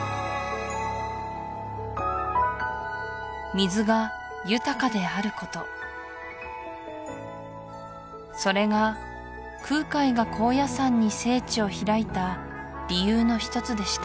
水が豊かであることそれが空海が高野山に聖地を開いた理由のひとつでした